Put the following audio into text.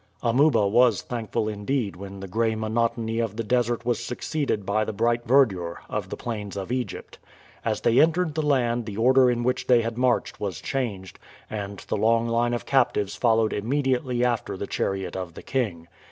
Amuba was thankful indeed when the gray monotony of the desert was succeeded by the bright verdure of the plains of Egypt. As they entered the land the order in which they had marched was changed, and the long line of captives followed immediately after the chariot of the king.